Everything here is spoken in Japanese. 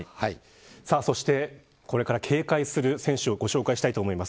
そして、これから警戒する選手をご紹介したいと思います。